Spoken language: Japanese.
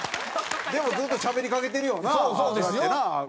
でもずっとしゃべりかけてるよな楽屋でな。